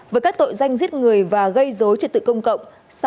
với các tội danh giết người và gây dối trật tự công cộng